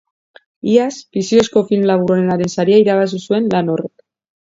Iaz, fikziozko film labur onenaren saria irabazi zuen lan horrek.